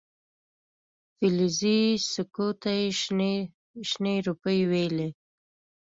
فلزي سکو ته یې شنې روپۍ ویلې.